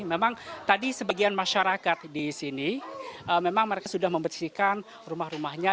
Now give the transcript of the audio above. memang tadi sebagian masyarakat di sini memang mereka sudah membersihkan rumah rumahnya